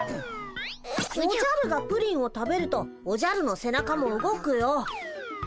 おじゃるがプリンを食べるとおじゃるの背中も動くよ。